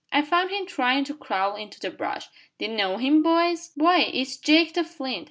"I found him tryin' to crawl into the brush. D'ye know him, boys?" "Why, it's Jake the Flint!"